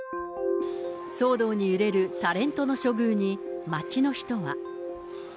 騒動に揺れるタレントの処遇に街の人は。